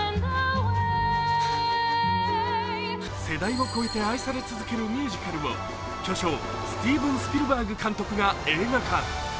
世代を超えて愛され続けるミュージカルを巨匠・スティーブン・スピルバーグ監督が映画化。